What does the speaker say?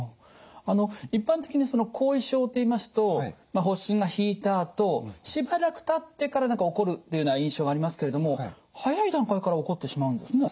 あの一般的にその後遺症といいますとまあ発疹が引いたあとしばらくたってから起こるっていうような印象がありますけれども早い段階から起こってしまうんですね。